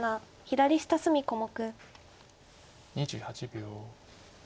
２８秒。